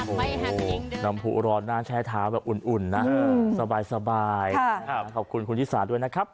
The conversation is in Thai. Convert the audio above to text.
โอ้้นำผู้ร้อนน่าแช่ท้าวแบบอุ่นนะสบายค่ะครับขอบคุณคุณฯิษฐาด้วยนะครับ